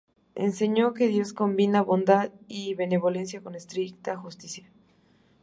Enseñó que Dios combina Bondad y Benevolencia con estricta Justicia.